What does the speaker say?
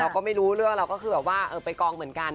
ก็ไม่รู้เรื่องเราก็คือแบบว่าไปกองเหมือนกัน